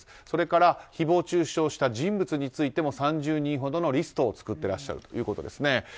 それから誹謗中傷した人物についても３０人ほどのリストを作っていらっしゃるということです。